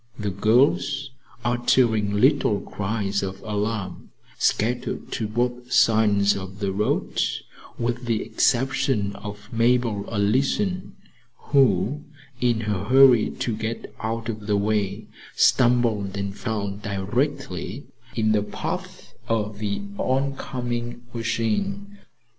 The girls, uttering little cries of alarm, scattered to both sides of the road, with the exception of Mabel Allison, who, in her hurry to get out of the way, stumbled and fell directly in the path of the oncoming machine.